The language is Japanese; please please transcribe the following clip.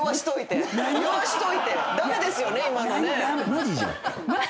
「マジじゃん」